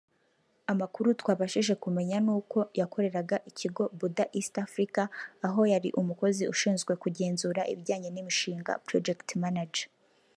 Amakuru twabashije kumenya ni uko yakoreraga Ikigo BurdaEastAfrica aho yari umukozi ushinzwe kugenzura ibijyanye n’imishinga (Project Manager)